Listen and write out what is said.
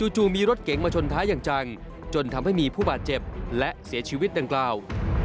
จู่มีรถเก๋งมาชนท้ายอย่างจังจนทำให้มีผู้บาดเจ็บและเสียชีวิตดังกล่าว